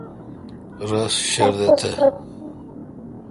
رس شردہ تھ۔